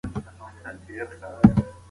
ځينې کلمې په ليک يو شان دي خو په غږ توپير لري.